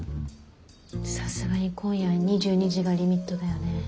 さすがに今夜２２時がリミットだよね。